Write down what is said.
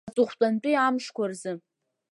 Аҵыхәтәантәи амшқәа рзы.